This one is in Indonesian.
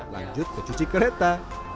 lanjut ke cuci kereta